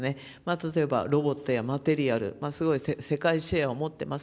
例えば、ロボットやマテリアル、すごい世界シェアを持っています。